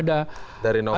dari novel ya